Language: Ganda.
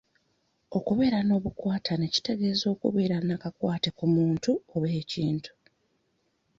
Okubeera n'obukwatane kitegeeza okubeera n'akakwate ku muntu oba ekintu.